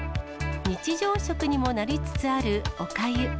日常食にもなりつつあるおかゆ。